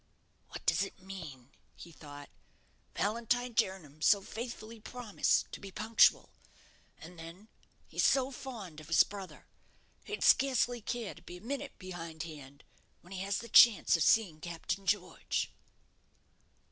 "What does it mean?" he thought. "Valentine Jernam so faithfully promised to be punctual. And then he's so fond of his brother. He'd scarcely care to be a minute behindhand, when he has the chance of seeing Captain George."